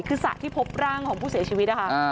คือสระที่พบร่างของผู้เสียชีวิตนะคะ